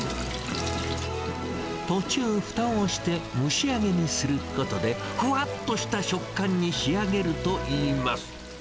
途中、ふたをして蒸し揚げにすることで、ふわっとした食感に仕上げるといいます。